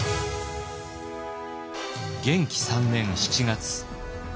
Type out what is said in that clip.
元亀３年７月。